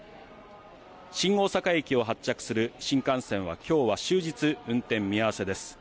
新大阪駅を発着する新幹線は、きょうは終日、運転見合わせです。